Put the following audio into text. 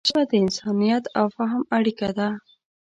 ژبه د انسانیت او فهم اړیکه ده